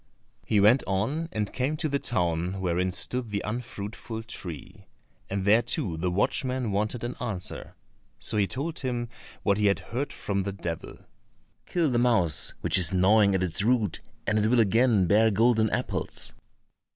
He went on and came to the town wherein stood the unfruitful tree, and there too the watchman wanted an answer. So he told him what he had heard from the devil: "Kill the mouse which is gnawing at its root, and it will again bear golden apples."